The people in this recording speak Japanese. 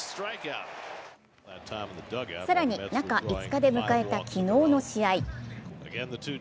更に、中５日で迎えた昨日の試合。